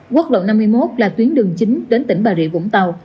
quốc lộ năm mươi một là tuyến đường chính đến tỉnh bà rịa vũng tàu